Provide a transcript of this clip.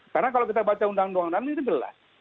karena kalau kita baca undang undang ini jelas